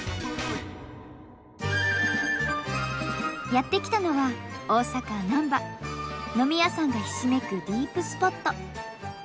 やって来たのは飲み屋さんがひしめくディープスポット。